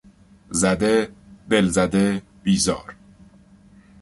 زده، دلزده، بیزار